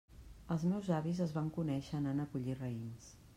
Els meus avis es van conèixer anant a collir raïms.